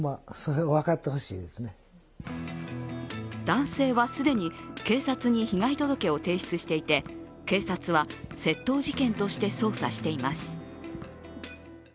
男性は既に、警察に被害届を提出していて、警察は窃盗事件として捜査しています。